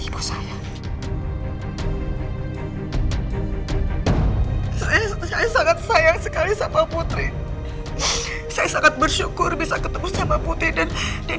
pantes aja aku ngerasa gak tenang